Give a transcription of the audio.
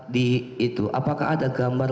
di itu apakah ada gambar